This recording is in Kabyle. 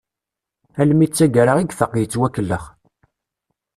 Almi d taggara i ifaq yettwakellex.